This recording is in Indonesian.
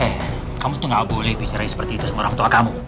eh kamu tuh gak boleh bicara seperti itu sama orang tua kamu